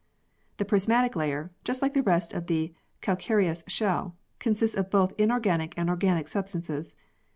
The prismatic layer, just like the rest of the calcareous shell, consists of both inorganic and organic substances.